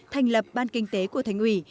thành lập ban kinh tế của thành ủy